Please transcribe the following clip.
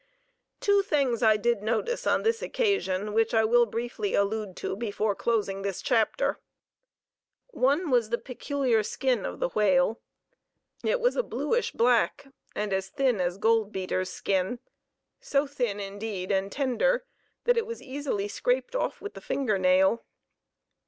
Two things I did notice on this occasion which I will briefly allude to before closing this chapter. One was the peculiar skin of the whale. It was a bluish black, and as thin as gold beater's skin; so thin, indeed, and tender, that it was easily scraped off with the fingernail.